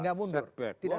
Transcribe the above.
tidak mundur tidak setback